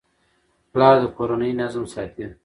پلار د کورنۍ نظم ساتي.